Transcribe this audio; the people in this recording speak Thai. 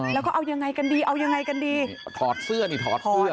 แล้วก็เอายังไงกันดีเอายังไงกันดีถอดเสื้อนี่ถอดเสื้อ